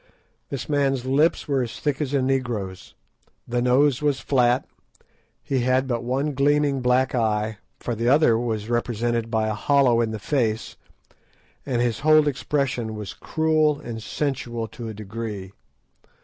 This man's lips were as thick as a Negro's, the nose was flat, he had but one gleaming black eye, for the other was represented by a hollow in the face, and his whole expression was cruel and sensual to a degree.